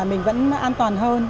mình vẫn an toàn hơn